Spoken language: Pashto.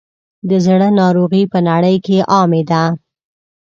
د زړه ناروغۍ په نړۍ کې عامې دي.